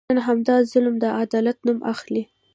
نن همدا ظلم د عدالت نوم اخلي.